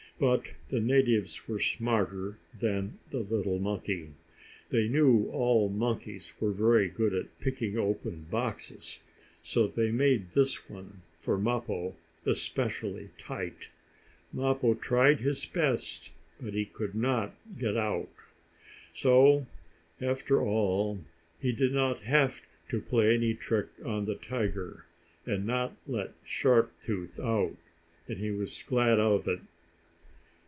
But the natives were smarter than the little monkey. They knew all monkeys were very good at picking open boxes, so they had made this one, for Mappo, especially tight. Mappo tried his best, but he could not get out. So, after all, he did not have to play any trick on the tiger, and not let Sharp Tooth out, and he was glad of it.